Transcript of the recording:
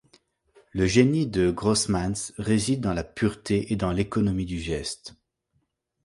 Le génie de Grosemans réside dans la pureté et dans l'économie du geste.